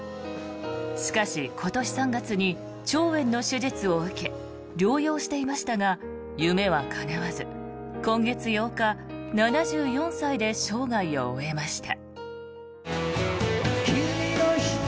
しかし、今年３月に腸炎の手術を受け療養していましたが夢はかなわず今月８日７４歳で生涯を終えました。